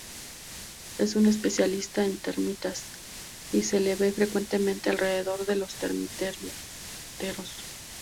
Es un especialista en termitas, y se le ve frecuentemente alrededor de los termiteros.